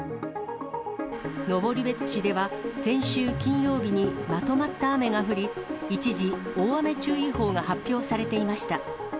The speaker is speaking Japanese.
登別市では先週金曜日にまとまった雨が降り、一時、大雨注意報が発表されていました。